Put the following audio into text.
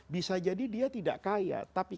bisa jadi dia tidak kaya tapi